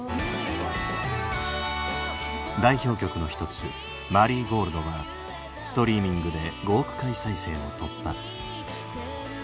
代表曲の一つ「マリーゴールド」はストリーミングで５億回再生を突破。